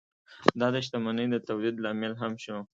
دا د شتمنۍ د تولید لامل هم شو.